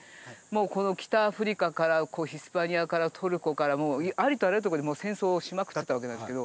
この北アフリカからヒスパニアからトルコからもうありとあらゆるとこで戦争をしまくってたわけなんですけど。